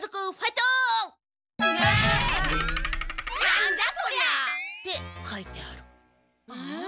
なんじゃそりゃ！って書いてある。